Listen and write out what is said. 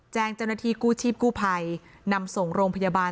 แจ้งเจ้าหน้าที่กู้ชีพกู้ภัยนำส่งโรงพยาบาล